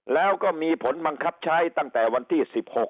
แล้วก็มีผลบังคับใช้ตั้งแต่วันที่๑๖